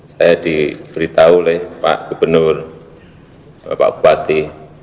saya diberitahu oleh pak gubernur bapak bupati